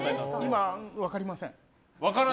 今、分かりません。